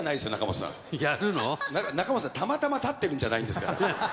たまたま立ってるんじゃないんですから。